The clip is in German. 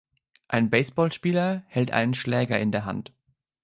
Ein Baseballspieler hält einen Schläger in der Hand.